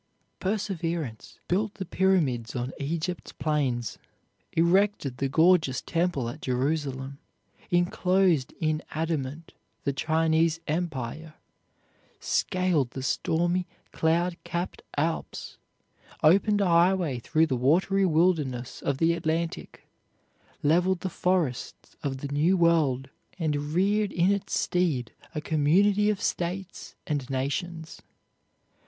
Perseverance built the pyramids on Egypt's plains, erected the gorgeous temple at Jerusalem, inclosed in adamant the Chinese Empire, scaled the stormy, cloud capped Alps, opened a highway through the watery wilderness of the Atlantic, leveled the forests of the new world, and reared in its stead a community of states and nations.